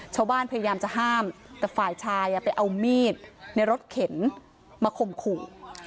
พยายามจะห้ามแต่ฝ่ายชายไปเอามีดในรถเข็นมาข่มขู่